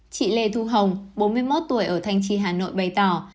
chị lê thu hồng bốn mươi một tuổi ở thanh trì hà nội bày tỏ